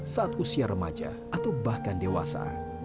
saat usia remaja atau bahkan dewasa